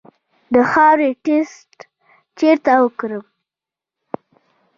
د خاورې ټسټ چیرته وکړم؟